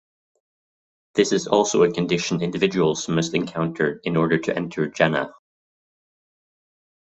This is also a condition individuals must encounter in order to enter Jannah.